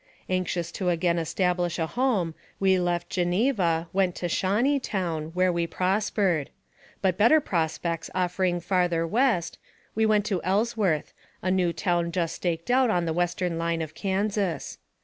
Anxious to again establish a home, we left Geneva, went to Shawneetown, where we prospered ; but better prospects offering farther west, we went to Ellsworth, a new town just staked out on the western line of Kansas.